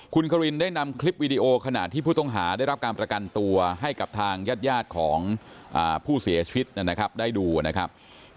คุณครินได้นำคลิปวิดีโอขณะที่ผู้ต้องหาได้รับการประกันตัวให้กับทางญาติยาดของผู้เสียชีวิตนะครับได้ดูนะครับ